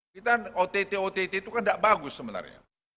kita ott ott itu kan tidak bagus sebenarnya